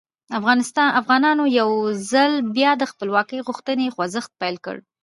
افغانانو یو ځل بیا د خپلواکۍ غوښتنې خوځښت پیل کړ.